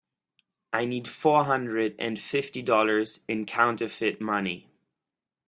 I need four hundred and fifty dollars in counterfeit money.